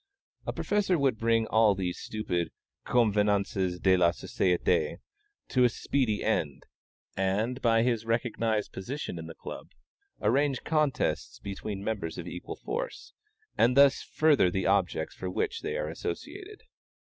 A professor would bring all these stupid convenances de la société to a speedy end, and, by his recognized position in the Club, arrange contests between members of equal force, and thus further the objects for which they are associated.